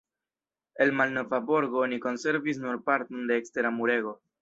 El malnova borgo oni konservis nur parton de ekstera murego.